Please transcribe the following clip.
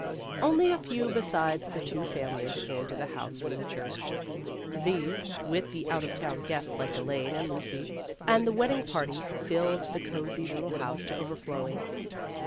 Only a few besides the two families came to the house from the church. These, with the out of town guests like Elaine and Lucy, and the wedding party, filled the cosy little house to overflowing.